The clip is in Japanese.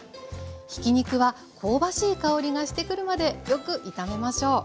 ひき肉は香ばしい香りがしてくるまでよく炒めましょう。